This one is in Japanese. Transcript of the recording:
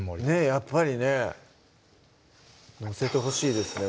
やっぱりね載せてほしいですね